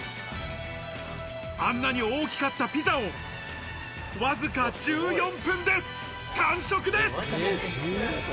あんなに大きかったピザをわずか１４分で完食です！